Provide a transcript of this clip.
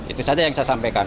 itu saja yang saya sampaikan